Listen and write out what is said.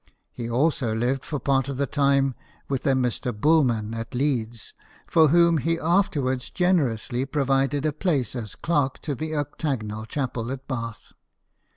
He also lived for part of the time with a Mr. Bulman at WILLIAM HERSCHEL, BANDSMAN. 95 Leeds, for whom he afterwards generously pro vided a place as clerk to the Octagon Chapel at Bath.